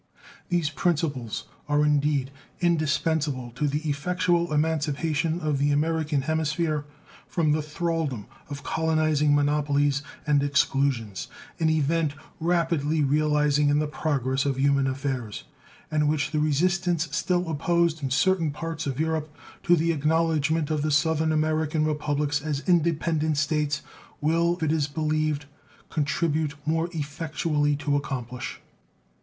These principles are, indeed, indispensable to the effectual emancipation of the American hemisphere from the thralldom of colonizing monopolies and exclusions, an event rapidly realizing in the progress of human affairs, and which the resistance still opposed in certain parts of Europe to the acknowledgment of the Southern American Republics as independent States will, it is believed, contribute more effectually to accomplish.